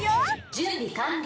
「準備完了」